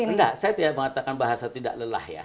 enggak saya tidak mengatakan bahasa tidak lelah ya